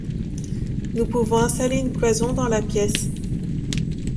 Nous pouvons installer une cloison dans la pièce.